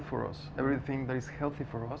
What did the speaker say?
dan juga sesuatu yang harus kita pikirkan adalah